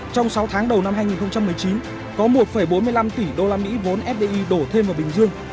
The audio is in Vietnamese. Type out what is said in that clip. trong sáu tháng đầu năm hai nghìn một mươi chín có một bốn mươi năm tỷ usd vốn fdi đổ thêm vào bình dương